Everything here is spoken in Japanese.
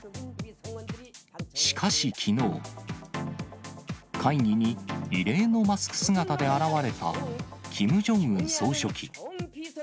しかし、きのう、会議に異例のマスク姿で現れた、キム・ジョンウン総書記。